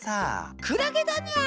クラゲだニャ！